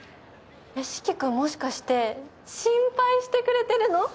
四鬼君もしかして心配してくれてるの？